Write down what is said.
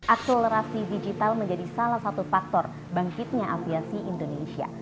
akselerasi digital menjadi salah satu faktor bangkitnya aviasi indonesia